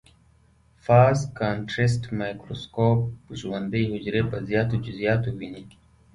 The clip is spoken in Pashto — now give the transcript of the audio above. فاز کانټرسټ مایکروسکوپ ژوندۍ حجرې په زیاتو جزئیاتو ويني.